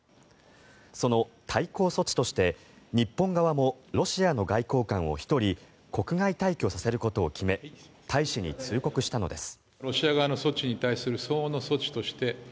その対抗措置として日本側もロシアの外交官を１人国外退去させることを決め大使に通告したのです。